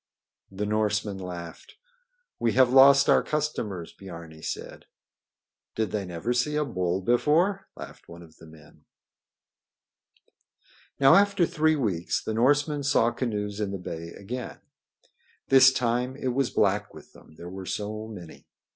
The Norsemen laughed. "We have lost our customers," Biarni said. "Did they never see a bull before?" laughed one of the men. Now after three weeks the Norsemen saw canoes in the bay again. This time it was black with them, there were so many.